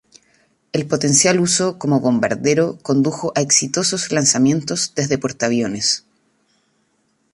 El potencial uso como bombardero condujo a exitosos lanzamientos desde portaaviones.